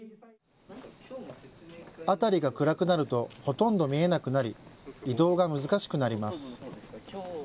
辺りが暗くなると、ほとんど見えなくなり、移動が難しくなります。